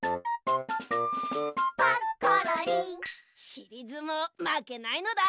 しりずもうまけないのだ！